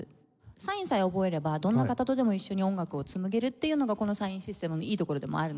サインさえ覚えればどんな方とでも一緒に音楽を紡げるっていうのがこのサインシステムのいいところでもあるので。